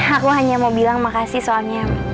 aku hanya mau bilang makasih soalnya